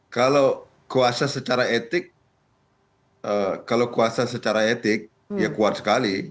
kalau kuasa secara etik kalau kuasa secara etik ya kuat sekali